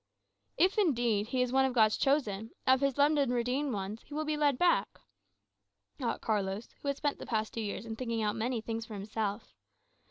"If, indeed, he is one of God's chosen, of his loved and redeemed ones, he will be led back," thought Carlos, who had spent the past two years in thinking out many things for himself.